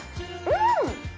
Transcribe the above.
うん！